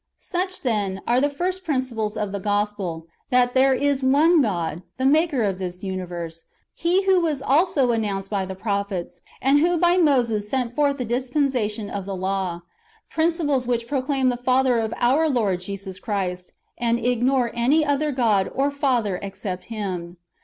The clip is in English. Such, then, are the first principles of the gospel : that there is one God, the maker of this universe ; He who was also announced by the prophets, and who by Moses set forth the dispensation of the law, — [principles] which proclaim the Father of our Lord Jesus Christ, and ignore any other God or Father except Him.